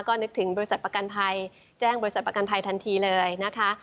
ก็นึกถึงบริษัทประกันภัยแจ้งบริษัทประกันภัยทันทีเลยนะคะ